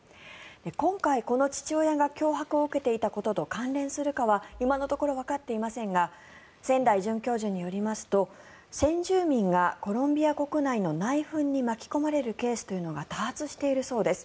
今回、この父親が脅迫を受けていたことと関連するかは今のところわかっていませんが千代准教授によりますと先住民がコロンビア国内の内紛に巻き込まれるケースというのが多発しているそうです。